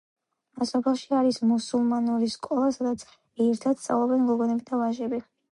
სოფელში არის მუსულმანური სკოლა სადაც ერთად სწავლობენ გოგონები და ვაჟები.